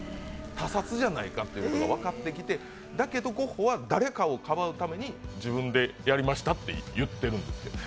他殺じゃないかということが分かってきて、だけどゴッホは誰かをかばうために、自分でやりましたと言ってるんですって。